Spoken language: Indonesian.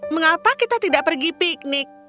mengapa kita tidak pergi piknik